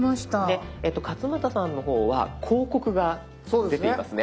勝俣さんの方は広告が出ていますね。